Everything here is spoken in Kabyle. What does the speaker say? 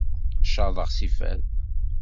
Caḍeɣ si fad.